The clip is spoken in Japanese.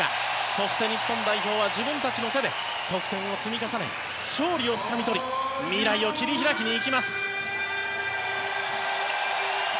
そして、日本代表は自分たちの力で得点を積み重ね勝利をつかみ取り未来を切り開きにいきます。